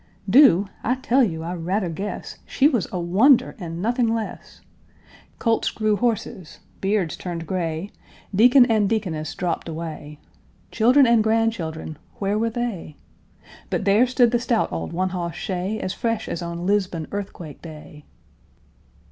Do! I tell you, I rather guess She was a wonder, and nothing less! Colts grew horses, beards turned gray, Deacon and deaconess dropped away, Children and grandchildren where were they? But there stood the stout old one hoss shay As fresh as on Lisbon earthquake day!